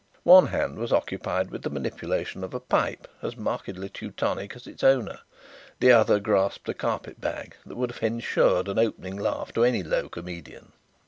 One hand was occupied with the manipulation of a pipe, as markedly Teutonic as its owner; the other grasped a carpet bag that would have ensured an opening laugh to any low comedian.